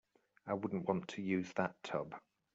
I wouldn't want to use that tub.